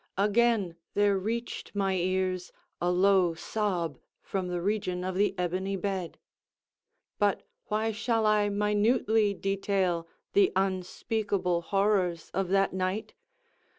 again there reached my ears a low sob from the region of the ebony bed. But why shall I minutely detail the unspeakable horrors of that night?